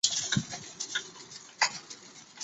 她还是拒绝了